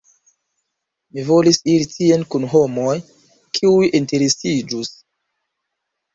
Mi volis iri tien kun homoj, kiuj interesiĝus.